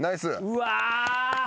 うわ。